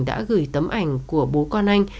đã gửi tấm ảnh của bố con anh